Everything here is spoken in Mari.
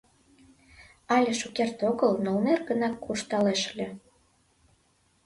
Але шукерте огыл нолнер гына куржталеш ыле.